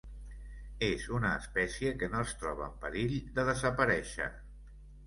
És una espècie que no es troba en perill de desaparèixer.